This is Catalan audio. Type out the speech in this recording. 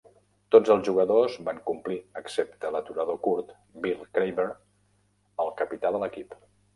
Tots els jugadors van complir, excepte l'aturador curt, Bill Craver, el capità de l'equip.